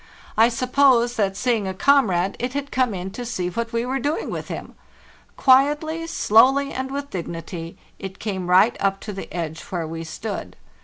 I suppose that, seeing a comrade, it had come in to see what we were doing with him. Quietly, slowly, and with dignity it came right up to the edge where we stood.